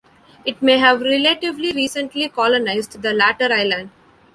It may have relatively recently colonised the latter island.